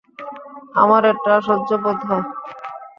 আমার এটা অসহ্য বোধ হয়।